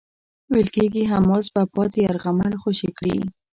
ویل کېږی حماس به پاتې يرغمل خوشي کړي.